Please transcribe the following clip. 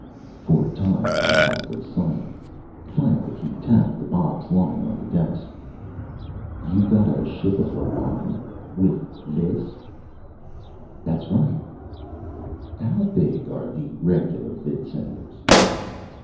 For a time Reinhart was silent. Finally he tapped the box lying on the desk. "You got a ship of the line with this?" "That's right." "How big are the regular vidsenders?"